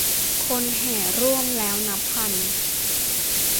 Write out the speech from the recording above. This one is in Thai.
คนแห่ร่วมแล้วนับพัน